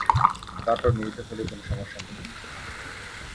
তারপর মিলিত হলে কোনো সমস্যা নেই।